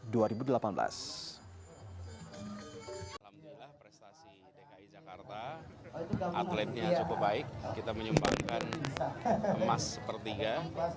dki jakarta atletnya cukup baik kita menyumbangkan emas sepertiga